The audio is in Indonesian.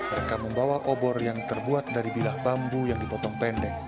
mereka membawa obor yang terbuat dari bilah bambu yang dipotong pendek